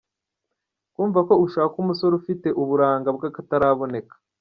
Kumva ko ushaka umusore ufite uburanga bw’akataraboneka.